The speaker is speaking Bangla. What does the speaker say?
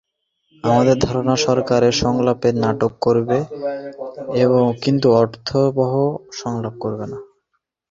আমাদের ধারণা, সরকার সংলাপের নাটক করবে কিন্তু অর্থবহ সংলাপ করবে না।